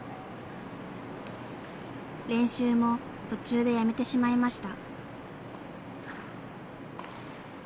練習も途中でやめてしまいました。